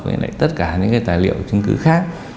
với lại tất cả những cái tài liệu chứng cứ khác